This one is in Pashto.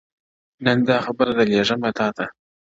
نن داخبره درلېږمه تاته-